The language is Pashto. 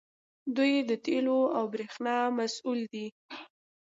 دوی د تیلو او بریښنا مسوول دي.